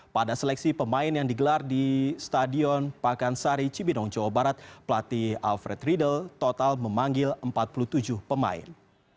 pada seleksi pemain yang digelar di stadion pakansari cibinong jawa barat pelatih alfred riedel total memanggil empat puluh tujuh pemain